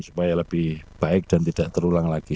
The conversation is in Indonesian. supaya lebih baik dan tidak terulang lagi